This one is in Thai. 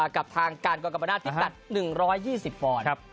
กับทางการกรกรรมนาศพิกัด๑๒๐ปอนด์